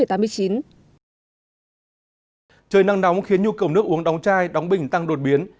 trời nắng nóng khiến nhu cầu nước uống đóng chai đóng bình tăng đột biến